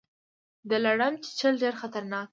د لړم چیچل ډیر خطرناک دي